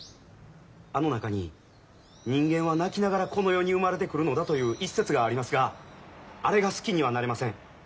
あの中に人間は泣きながらこの世に生まれてくるのだという一節がありますがあれが好きにはなれません。